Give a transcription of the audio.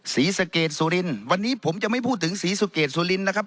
ศรีสะเกดสุรินทร์วันนี้ผมจะไม่พูดถึงศรีสุเกตสุรินทร์นะครับ